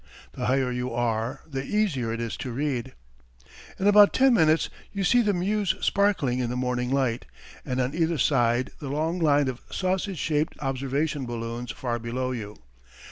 The higher you are the easier it is to read. In about ten minutes you see the Meuse sparkling in the morning light, and on either side the long line of sausage shaped observation balloons far below you.